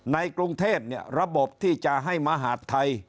ในกรุงเทพเนี่ยระบบที่จะให้มาร์ทไทย